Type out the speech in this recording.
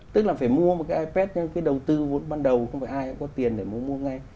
tức là phải mua một cái ipad cái đầu tư vốn ban đầu không phải ai cũng có tiền để mua ngay